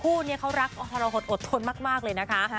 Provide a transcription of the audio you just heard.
คู่นี้เขารักทรหดอดทนมากเลยนะคะ